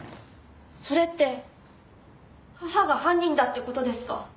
それって母が犯人だって事ですか？